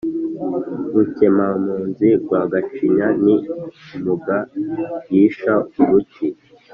Rukemampunzi rwa Gacinya ni Impunga-yîsha-uruti